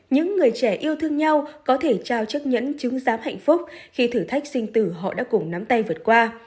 những người trẻ yêu thương nhau có thể trao chiếc nhẫn chứng giám hạnh phúc khi thử thách sinh tử họ đã cùng nắm tay vượt qua